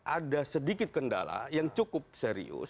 ada sedikit kendala yang cukup serius